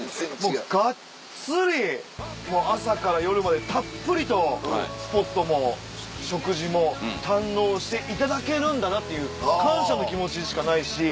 もうがっつりもう朝から夜までたっぷりとスポットも食事も堪能していただけるんだなっていう感謝の気持ちしかないし。